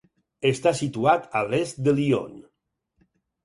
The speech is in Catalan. Està situat a l'est de Lyon.